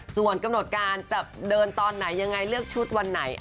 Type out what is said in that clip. ส่วนกำหนดการจะเดินตอนไหนยังไงเลือกชุดวันไหน